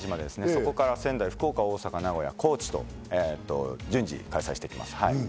そこから仙台、福岡、大阪、名古屋、高知と順次開催していきます。